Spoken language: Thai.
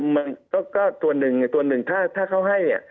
มันก็ส่วนหนึ่งส่วนหนึ่งถ้าเขาให้เนี่ย